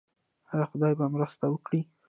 آیا خدای به مرسته وکړي؟